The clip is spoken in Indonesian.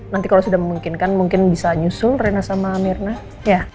nanti kalau sudah memungkinkan mungkin bisa nyusul rena sama mirna